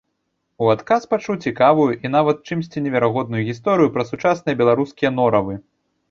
У адказ пачуў цікавую і нават у чымсьці неверагодную гісторыю пра сучасныя беларускія норавы.